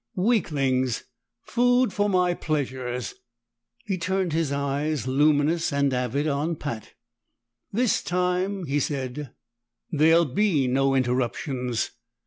"Weaklings food for my pleasures!" He turned his eyes, luminous and avid, on Pat. "This time," he said, "there'll be no interruptions.